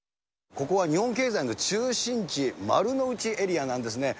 ここは日本経済の中心地、丸の内エリアなんですね。